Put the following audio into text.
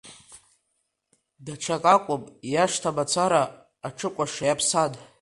Даҽак акәым, иашҭа мацара аҽыкәаша иаԥсан.